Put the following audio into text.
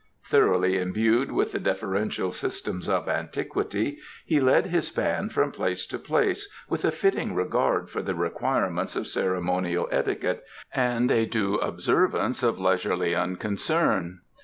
Thoroughly imbued with the deferential systems of antiquity, he led his band from place to place with a fitting regard for the requirements of ceremonial etiquette and a due observance of leisurely unconcern.